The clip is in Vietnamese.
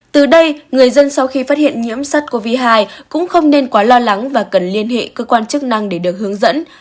từ đây người dân sau khi phát hiện nhiễm sát covid một mươi chín cũng không nên quá lo lắng và cần liên hệ cơ quan chức năng để được hướng dẫn